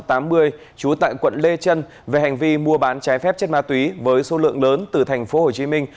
trú tại quận lê trân về hành vi mua bán trái phép chất ma túy với số lượng lớn từ thành phố hồ chí minh